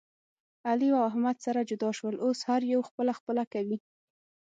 علي او احمد سره جدا شول. اوس هر یو خپله خپله کوي.